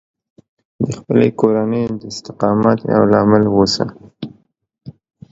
د خپلې کورنۍ د استقامت یو لامل اوسه